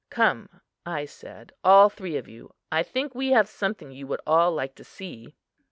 "Come," I said, "all three of you. I think we have something you would all like to see."